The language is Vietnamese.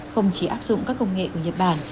không chỉ áp dụng các công nghệ của nhật bản